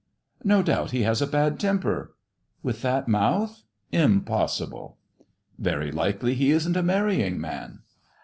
" No doubt he has a bad temper !"" With that mouth, impossible." " Yery Ukely he isn't a marrying man."